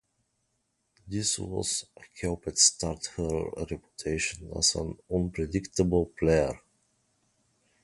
This loss helped start her reputation as an unpredictable player.